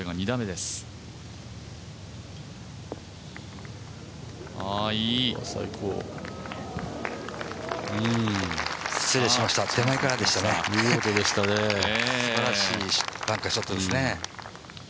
すばらしいバンカーショットですね。